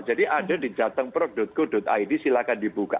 jadi ada di jatengproc co id silahkan dibuka